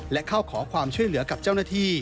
และเข้าขอความช่วยเหลือกับเจ้าหน้าที่